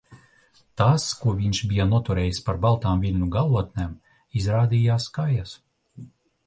Tās, ko viņš bija noturējis par baltām viļņu galotnēm, izrādījās kaijas.